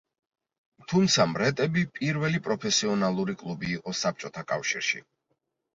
თუმცა მრეტები პირველი პროფესიონალური კლუბი იყო საბჭოთა კავშირში.